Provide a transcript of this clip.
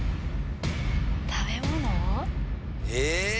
食べ物？え！